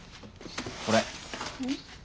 これ。